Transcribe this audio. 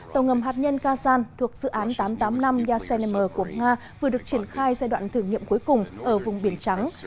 tàu ngầm hạt nhân kazan thuộc dự án tám trăm tám mươi năm yasem của nga vừa được triển khai giai đoạn thử nghiệm cuối cùng ở vùng biển trắng